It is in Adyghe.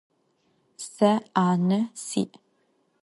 Se 'ane si'.